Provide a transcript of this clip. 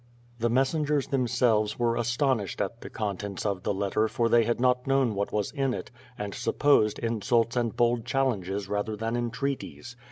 The messengers themselves were astonished at the contents of the letter for they had not known what was in it and sup posed insults and bold challenges rather than entreaties.